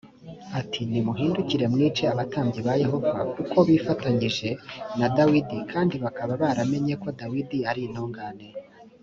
ati nimuhindukire mwice abatambyi ba yehova kuko bifatanyije na dawidi kandi bakaba baramenye ko dawidi arintungane